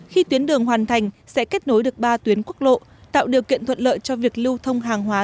khi tuyến đường hoàn thành sẽ kết nối được ba tuyến quốc lộ tạo điều kiện thuận lợi cho việc lưu thông hàng hóa